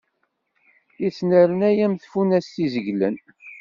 Ittnernay am tfunast izeglen.